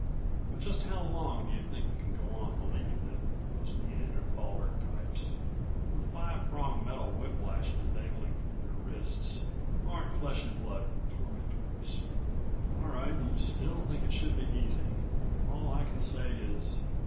But just how long do you think you can go on believing that those Neanderthaler types with five pronged metal whip lashes dangling from their wrists aren't flesh and blood tormentors? All right, you still think it should be easy. All I can say is